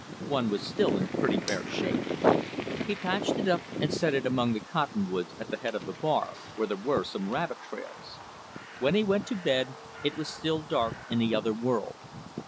One was still in pretty fair shape. He patched it up and set it among the cottonwoods at the head of the bar, where there were some rabbit trails. When he went to bed it was still dark in the other world.